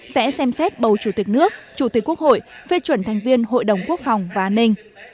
sẽ xem xét bầu chủ tịch nước chủ tịch quốc hội phê chuẩn thành viên hội đồng quốc phòng và an ninh